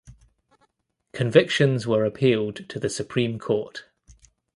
Convictions were appealed to the Supreme Court.